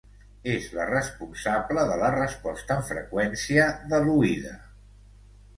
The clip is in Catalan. És la responsable de la resposta en freqüència de l'oïda.